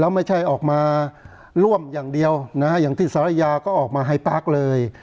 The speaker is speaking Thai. แล้วไม่ใช่ออกมาร่วมอย่างเดียวนะฮะอย่างที่ศาลายาก็ออกมาให้ปลากเลย